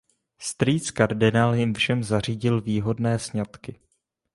Strýc kardinál jim všem zařídil výhodné sňatky.